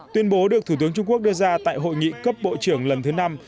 tuyên bố được thủ tướng trung quốc đưa ra tại hội nghị cấp bộ trưởng lần thứ năm